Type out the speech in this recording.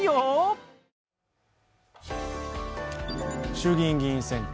衆議院議員選挙